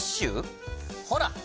ほら！